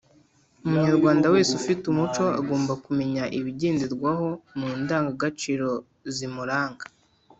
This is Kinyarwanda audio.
Umunyarwanda wese ufite umuco agomba kumenya ibigenderwaho mu ndangagaciro zimuranga